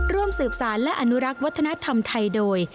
ร่วมสืบสารและอนุรักษ์วัฒนธรรมไทยโดย